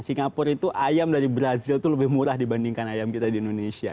singapura itu ayam dari brazil itu lebih murah dibandingkan ayam kita di indonesia